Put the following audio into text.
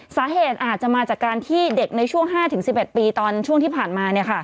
สาเหตุอาจจะมาจากการที่เด็กในช่วง๕๑๑ปีตอนช่วงที่ผ่านมา